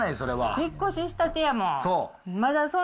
引っ越ししたてやもん。